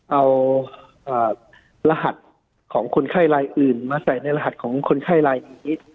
เอารหัสของคนไข้รายอื่นมาใส่ในรหัสของคนไข้ลายนี้